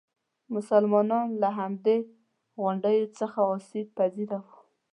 مسلمانان له همدې غونډیو څخه آسیب پذیره وو.